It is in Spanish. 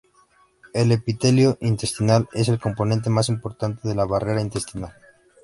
El epitelio intestinal es el componente más importante de la barrera intestinal.